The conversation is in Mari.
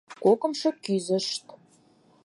Кокымшыш кӱзышт.